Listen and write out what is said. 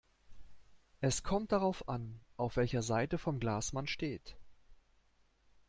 Es kommt darauf an, auf welcher Seite vom Glas man steht.